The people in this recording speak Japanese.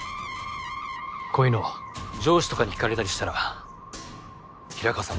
こういうの上司とかに聴かれたりしたら平川さん